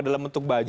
dalam bentuk baju